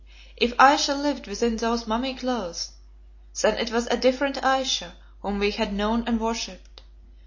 If Ayesha lived within those mummy cloths, then it was a different Ayesha whom we had known and worshipped.